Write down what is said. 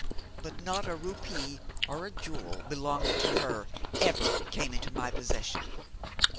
But not a rupee or a jewel belonging to her ever came into my possession.